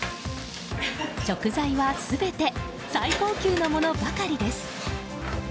食材は全て最高級のものばかりです。